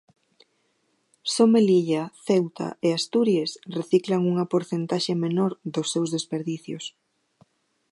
Só Melilla, Ceuta e Asturies reciclan unha porcentaxe menor dos seus desperdicios.